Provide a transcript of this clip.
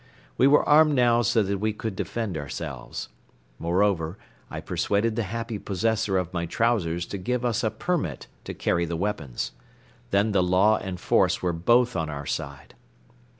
We were armed now so that we could defend ourselves. Moreover, I persuaded the happy possessor of my trousers to give us a permit to carry the weapons. Then the law and force were both on our side.